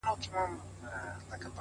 هره هڅه د بریا پیل ټکی دی